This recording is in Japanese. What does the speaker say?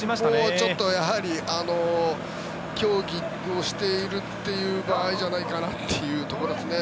ちょっと競技をしているという場合じゃないかなというところですね。